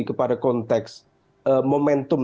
kepada konteks momentum